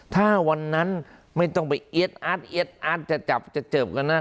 ถ้าวันนั้นไม่ต้องไปเอ็ดอัดจะเจอบกันนะ